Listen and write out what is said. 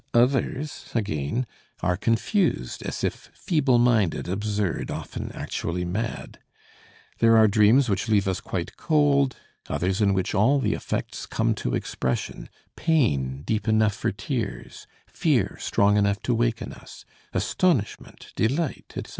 Others, again, are confused, as if feeble minded, absurd, often actually mad. There are dreams which leave us quite cold, others in which all the effects come to expression pain deep enough for tears, fear strong enough to waken us, astonishment, delight, etc.